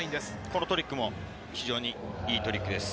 このトリックも非常にいいトリックです。